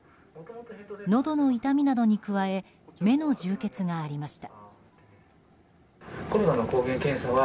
のどの痛みなどに加え目の充血がありました。